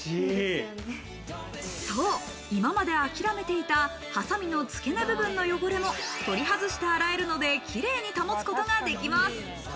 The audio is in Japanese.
そう、今まで諦めていたハサミのつけ根部分の汚れも取り外して洗えるので、綺麗に保つことができます。